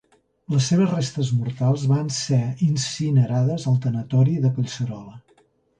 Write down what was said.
Les seves restes mortals van ser incinerades al tanatori de Collserola.